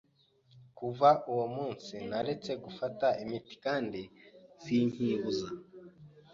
Kuva uwo munsi, naretse gufata imiti kandi sinkibuza